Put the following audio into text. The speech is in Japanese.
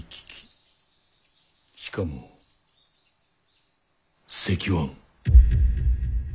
しかも隻腕。